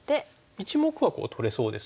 １目は取れそうですけども。